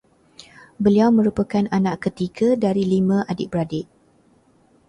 Beliau merupakan anak ketiga dari lima adik-beradik